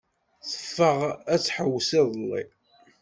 Teffeɣ ad tḥewwes iḍelli.